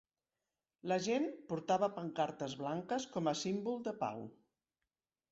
La gent portava pancartes blanques com a símbol de pau.